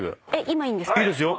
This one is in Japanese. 今いいんですか？